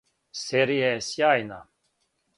Серија је сјајна!